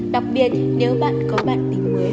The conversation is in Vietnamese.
đặc biệt nếu bạn có bạn tình mới